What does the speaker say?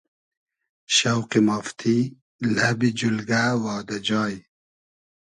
شۆقی مافتی، لئبی جولگۂ وادۂ جای